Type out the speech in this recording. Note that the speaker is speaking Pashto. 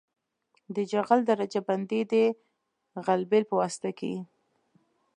د جغل درجه بندي د غلبیل په واسطه کیږي